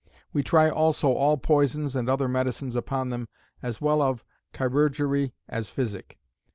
We try also all poisons and other medicines upon them, as well of chirurgery, as physic.